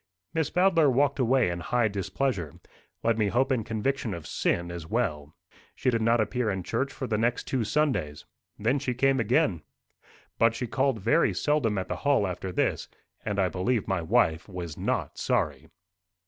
Miss Bowdler walked away in high displeasure let me hope in conviction of sin as well. She did not appear in church for the next two Sundays. Then she came again. But she called very seldom at the Hall after this, and I believe my wife was not sorry.